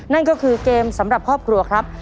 นั่นก็คือเกมสำหรับครอบครัวครับ